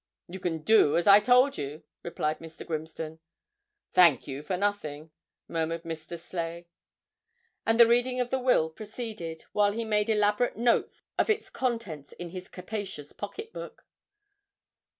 'You can do as I told you,' replied Mr. Grimston. 'Thank you for nothing,' murmured Mr. Sleigh. And the reading of the will proceeded, while he made elaborate notes of its contents in his capacious pocket book.